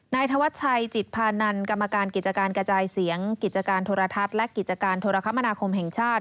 ธวัชชัยจิตพานันกรรมการกิจการกระจายเสียงกิจการโทรทัศน์และกิจการโทรคมนาคมแห่งชาติ